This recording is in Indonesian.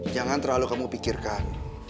jangan terlalu kamu pikirkan